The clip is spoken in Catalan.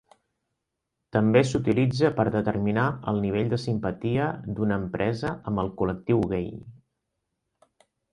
També s'utilitza per determinar el nivell de simpatia d'una empresa amb el col·lectiu gai.